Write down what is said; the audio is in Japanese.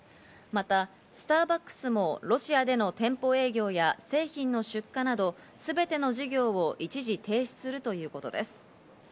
またスターバックスもロシアでの店舗営業や製品の出荷など、すべての事業を一時停止するということです。